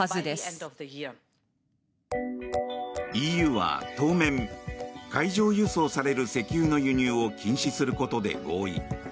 ＥＵは当面、海上輸送される石油の輸入を禁止することで合意。